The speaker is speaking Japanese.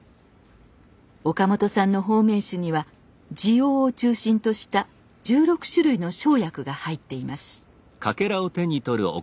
岡本さんの保命酒には地黄を中心とした１６種類の生薬が入っています。